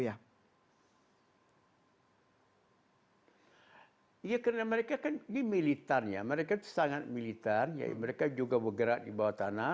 ya karena mereka kan militarnya mereka sangat militarnya mereka juga bergerak di bawah tanah